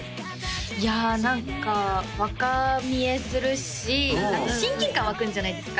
いや何か若見えするしあと親近感湧くんじゃないですか？